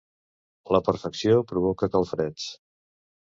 La perfecció provoca calfreds.